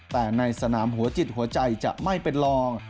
แต่ในสนามหัวจิตหัวใจจะไม่เป็นรอง